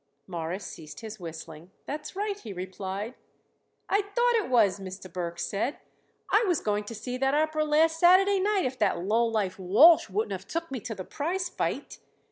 Morris ceased his whistling. "That's right," he replied. "I thought it was," Mr. Burke said. "I was going to see that opera last Saturday night if that lowlife Walsh wouldn't have took me to the prize fight."